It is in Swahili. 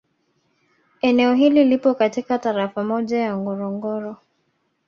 Eneo hili lipo katika Tarafa moja ya Ngorongoro